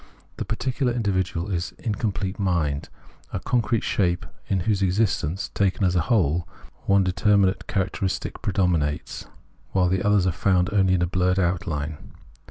The particular individual is incomplete mind, a concrete shape in whose existence, taken as a whole, one de terminate characteristic predominates, while the others are found only in blurred outline.